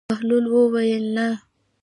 بهلول وویل: نه.